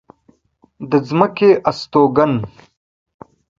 د ځمکې استوگن